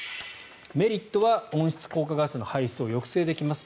メリットは温室効果ガスの排出を抑制できます。